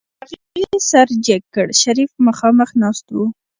هغې سر جګ کړ شريف مخاخ ناست و.